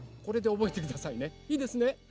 これでおぼえてくださいねいいですね。